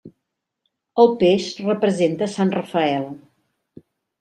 El peix representa sant Rafael.